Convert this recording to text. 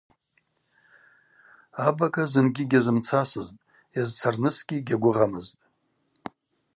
Абага зынгьи йгьазымцасызтӏ, йазцарнысгьи гьагвыгъамызтӏ.